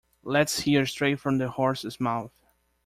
Let's hear it straight from the horse's mouth.